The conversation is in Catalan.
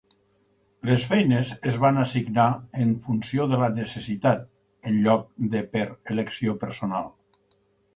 Les feines es van assignar en funció de la necessitat en lloc de per elecció personal.